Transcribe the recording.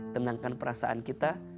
tenangkan perasaan kita